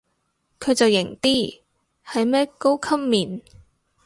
佢就型啲，係咩高級面